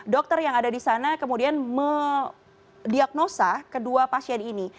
dokter yang ada di sana kemudian mendiagnosa kedua pasien ini